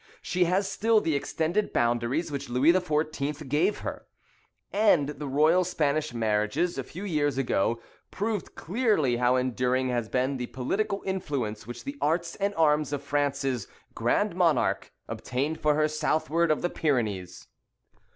She has still the extended boundaries which Louis XIV. gave her. And the royal Spanish marriages, a few years ago, proved clearly how enduring has been the political influence which the arts and arms of France's "Grand Monarque" obtained for her southward of the Pyrenees.